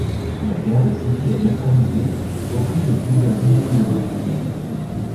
La Garde civile est neutralisée au prix de plusieurs dizaines de morts.